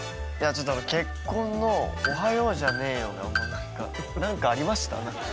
ちょっと結婚の「おはようじゃねーよ」がもうなんかなんかありました？